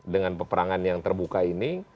dengan peperangan yang terbuka ini